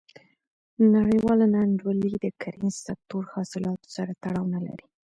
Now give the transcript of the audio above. نړیواله نا انډولي د کرنیز سکتور حاصلاتو سره تړاو نه لري.